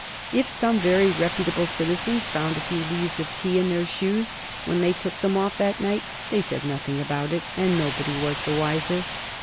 If some very reputable citizens found a few leaves of tea in their shoes when they took them off that night, they said nothing about it, and nobody was the wiser.